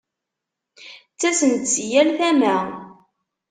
Ttasen-d si yal tama.